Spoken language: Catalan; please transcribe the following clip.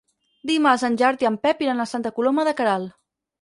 Dimarts en Gerard i en Pep iran a Santa Coloma de Queralt.